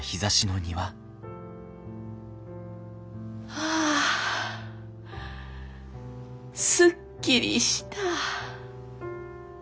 ああすっきりした。